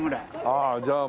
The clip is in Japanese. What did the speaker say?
あじゃあ